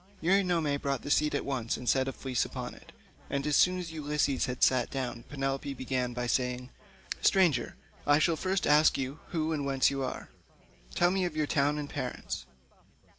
Eurynome brought the seat at once and set a fleece upon it, and as soon as Ulysses had sat down Penelope began by saying, "Stranger, I shall first ask you who and whence are you? Tell me of your town and parents."